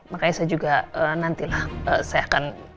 makanya saya juga nantilah saya akan